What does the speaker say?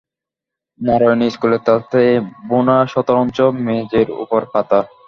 নারায়ণী স্কুলের তাঁতে-বোনা শতরঞ্চ মেঝের উপর পাতা।